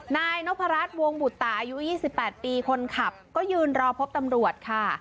นายนพรัชวงบุตตาอายุ๒๘ปีคนขับก็ยืนรอพบตำรวจค่ะ